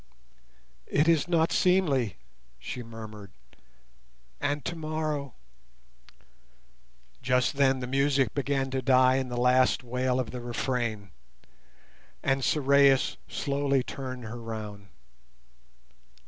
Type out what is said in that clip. "It is not seemly," she murmured, "and tomorrow—" Just then the music began to die in the last wail of the refrain, and Sorais slowly turned her round.